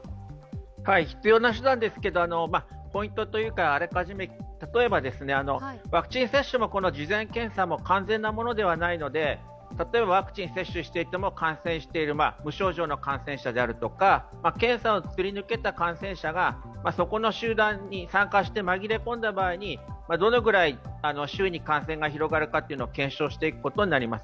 必要な手段ですけど、ポイントというか、あらかじめ、例えばワクチン接種もこの事前検査も完全なものではないのでワクチン接種していても無症状の感染者であるとか、検査をすり抜けた感染者が、そこの集団に参加して紛れ込んだ場合どのぐらい周囲に感染が広がるか検証していくことになります。